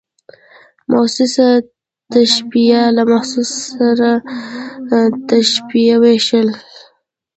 محسوس تشبیه له محسوس سره د تشبېه وېش.